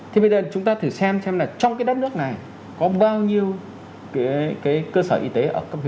thì bây giờ chúng ta thử xem xem là trong cái đất nước này có bao nhiêu cái cơ sở y tế